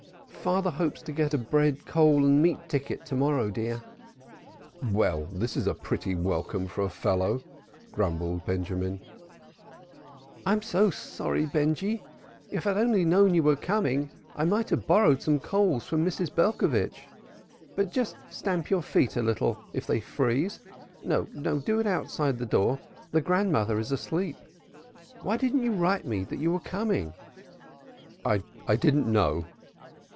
"Father hopes to get a bread, coal and meat ticket to morrow, dear." "Well, this is a pretty welcome for a fellow!" grumbled Benjamin. "I'm so sorry, Benjy! If I'd only known you were coming I might have borrowed some coals from Mrs. Belcovitch. But just stamp your feet a little if they freeze. No, do it outside the door; grandmother's asleep. Why didn't you write to me you were coming?" "I didn't know.